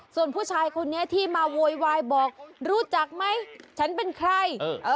ส่วนผู้ชายคนนี้ที่มาโวยวายบอกรู้จักไหมฉันเป็นใคร